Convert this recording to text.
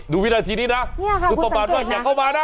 ดูวินาทีนี้นะคุณตำรวจอย่างเข้ามานะ